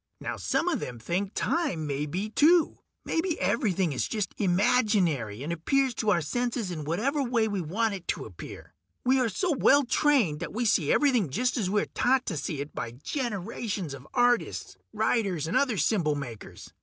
Now some of them think time may be, too. Maybe everything is just imaginary, and appears to our senses in whatever way we want it to appear. We are so well trained that we see everything just as we are taught to see it by generations of artists, writers, and other symbol makers.